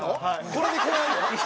これでこうやるの？